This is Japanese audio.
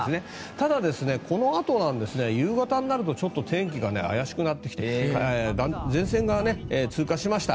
ただ、このあと夕方になるとちょっと天気が怪しくなってきて前線が通過しました。